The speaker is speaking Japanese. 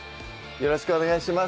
よろしくお願いします